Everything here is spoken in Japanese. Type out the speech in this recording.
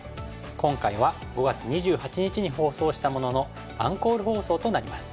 今回は５月２８日に放送したもののアンコール放送となります。